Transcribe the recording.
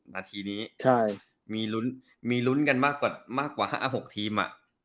นาทีนี้มีรุ้นกันมากกว่า๕๖ทีม